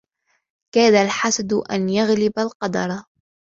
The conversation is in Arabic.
كَادَ الْحَسَدُ أَنْ يَغْلِبَ الْقَدَرَ